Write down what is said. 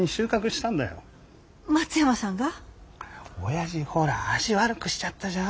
親父ほら足悪くしちゃったじゃん。